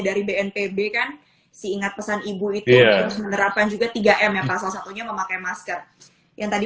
dari bnpb kan si ingat pesan ibu itu menerapkan juga tiga m ya pak salah satunya memakai masker yang tadi